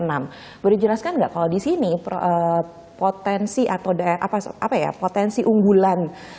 boleh dijelaskan nggak kalau di sini potensi unggulan